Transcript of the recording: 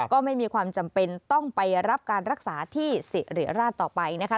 ก็ไม่มีความจำเป็นต้องไปรับการรักษาที่สิริราชต่อไปนะคะ